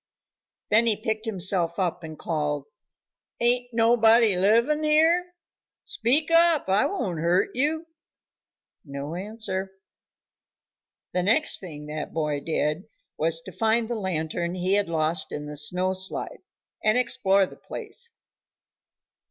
Then he picked himself up and called. "Ain't nobody livin' here? Speak up, I won't hurt you." No answer. The next thing that boy did was to find the lantern he had lost in the snow slide, and explore the place.